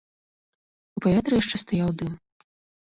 У паветры яшчэ стаяў дым.